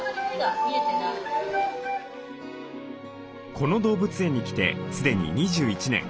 この動物園に来て既に２１年。